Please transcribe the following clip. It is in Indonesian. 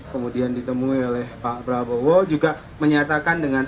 kemudian ditemui oleh pak prabowo juga menyatakan dengan